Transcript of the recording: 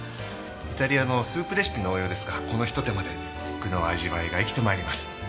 イタリアのスープレシピの応用ですがこのひと手間で具の味わいが生きてまいります。